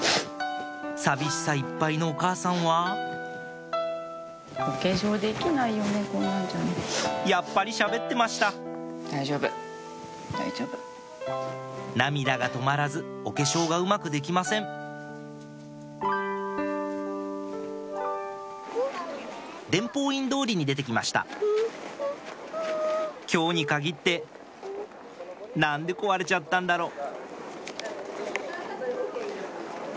寂しさいっぱいのお母さんはやっぱりしゃべってました涙が止まらずお化粧がうまくできません伝法院通りに出てきました「今日に限って何で壊れちゃったんだろう？」